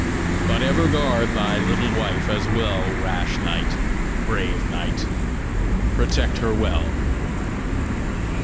But ever guard thy little wife as well, Rash knight, brave knight! Protect her well!"